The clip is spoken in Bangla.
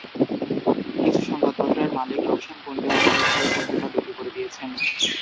কিছু সংবাদপত্রের মালিক লোকসান গুনতে অপারগ হয়ে পত্রিকা বিক্রি করে দিয়েছেন।